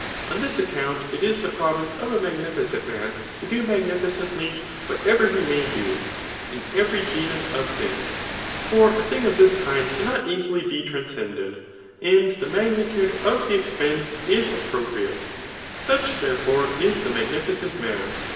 On xIm account it if die prorince of a magnificent man to do magnificently whaterer he may do, m every genus of tlungs* For a thing of this kind cannot easily be trans cended) and the magnitude of the expense is appro priate. Such, therefore, is the magnificent man.